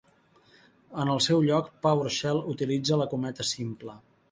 En el seu lloc, PowerShell utilitza la cometa simple.